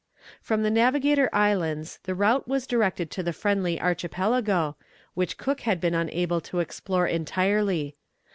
From the Navigator Islands the route was directed to the Friendly Archipelago, which Cook had been unable to explore entirely.